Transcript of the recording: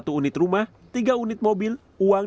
satu unit rumah tiga unit mobil uang